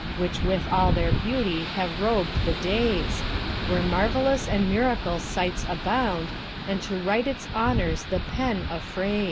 * Which with all their beauty have robed the Days: Where marvels and miracle sights abound, * And to write its honours the pen affrays."